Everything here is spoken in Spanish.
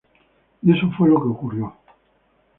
Y eso fue lo que ocurrió.